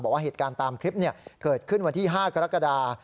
บอกว่าเหตุการณ์ตามคลิปเกิดขึ้นวันที่๕กรกฎา